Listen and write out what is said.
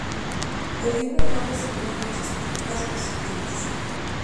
El libro no recibió muchas críticas positivas.